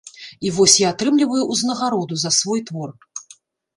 І вось я атрымліваю ўзнагароду за свой твор.